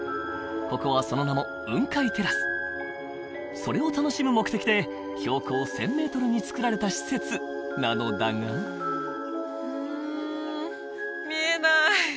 ここはその名も雲海テラスそれを楽しむ目的で標高１０００メートルにつくられた施設なのだがうん見えない